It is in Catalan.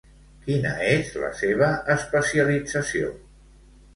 Quina és la seva especialització?